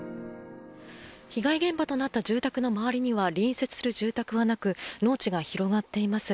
被害現場となった住宅の周りには隣接する住宅はなく農地が広がっています。